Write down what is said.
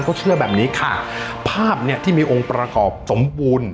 เขาเชื่อแบบนี้ค่ะภาพเนี่ยที่มีองค์ประกอบสมบูรณ์